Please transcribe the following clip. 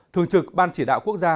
thường trực ban chỉ đạo quốc gia